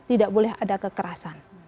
tidak boleh ada kekerasan